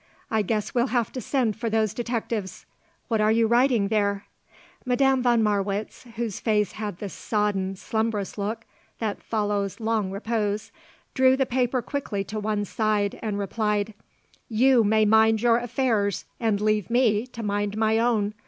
I guess we'll have to send for those detectives. What are you writing there?" Madame von Marwitz, whose face had the sodden, slumbrous look that follows long repose, drew the paper quickly to one side and replied: "You may mind your affairs and leave me to mind my own.